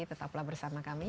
tetaplah bersama kami